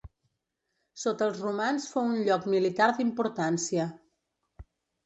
Sota els romans fou un lloc militar d'importància.